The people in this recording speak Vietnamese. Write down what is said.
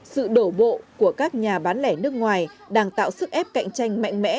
sự đổ bộ của các nhà bán lẻ nước ngoài đang tạo sức ép cạnh tranh mạnh mẽ